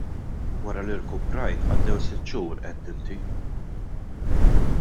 Wara li rkuprajt, għaddew sitt xhur għedt inti.